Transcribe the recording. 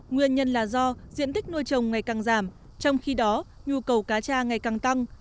nguyên nhân là do diện tích nuôi trồng ngày càng giảm trong khi đó nhu cầu cá cha ngày càng tăng